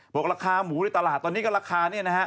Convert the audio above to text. บอกว่าราคาหมูในตลาดตอนนี้ก็ราคา